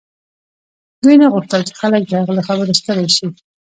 دوی نه غوښتل چې خلک د هغه له خبرو ستړي شي